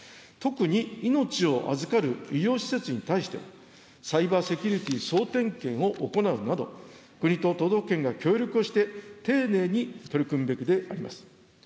特に命を預かる医療施設に対しても、サイバーセキュリティー総点検を行うなど、国と都道府県が協力をして、丁寧に取り組むべきであります。